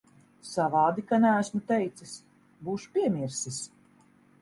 Savādi, ka neesmu teicis. Būšu piemirsis.